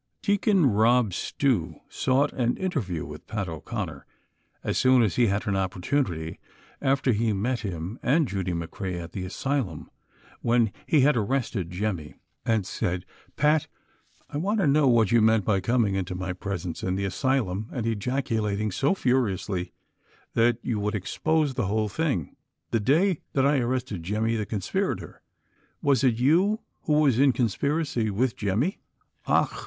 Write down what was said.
Deacon Rob Stew sought an interview witli Pat O'Con ner as soon as he had an opportunity, after he met him and Judy McCrea at the asylum when he had arrested Jemmy, and said : "Pat, I want to know what you meant by com ins: into my presence in the asylum, nnd eiacnlating so furiously that you would '■ expoxe the whole tJnnc/,'' the day that T ar rested Jemmy, the conspirator ? "Was it j''ou who was in conspiracy witli Jemmy "—" Och